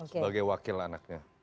sebagai wakil anaknya